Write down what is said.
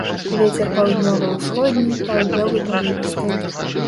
Вецер паўднёва-ўсходні, паўднёвы парывісты.